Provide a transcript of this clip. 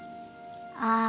ああ。